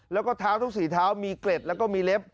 แล้วก็ท้าวต้องเสียท้าวมีเกร็ดแล้วก็มีเล็บ